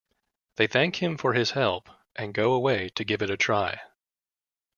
They thank him for his help and go away to give it a try.